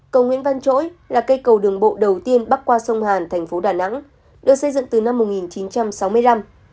cầu nguyễn văn chỗi là cây cầu đường bộ đầu tiên bắc qua sông hàn thành phố đà nẵng được xây dựng từ năm một nghìn chín trăm sáu mươi năm